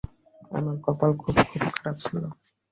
আমাদের কপাল খুব, খুব খারাপ ছিল।